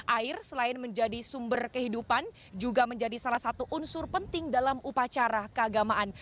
air selain menjadi sumber kehidupan juga menjadi salah satu unsur penting dalam upacara keagamaan